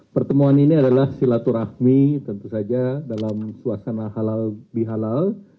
pertemuan ini adalah silaturahmi tentu saja dalam suasana halal bihalal